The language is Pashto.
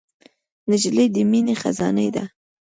نجلۍ د مینې خزانې ده.